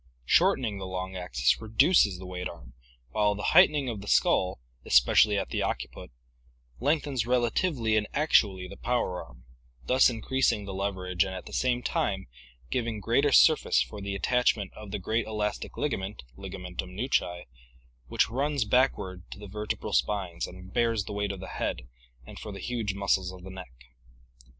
Shortening the long axis reduces the weight arm, while the height ening of the skull, especially at the occiput, lengthens relatively and actually the power arm, thus increasing the leverage and at the same time giving greater surface for the attachment of the great elastic ligament (ligamentum nuchae) which runs backward to the vertebral spines and bears the weight of the head, and for the huge muscles of the neck.